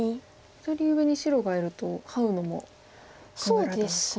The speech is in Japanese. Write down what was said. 左上に白がいるとハウのも考えられたんですか。